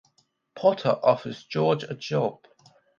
Potter offers George a job.